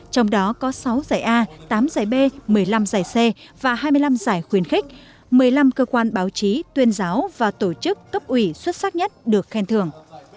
trong đó có sáu giải a tám giải b một mươi năm giải c và hai mươi năm giải khuyên khích một mươi năm cơ quan báo chí tuyên giáo và tổ chức cấp ủy xuất sắc nhất được khen thường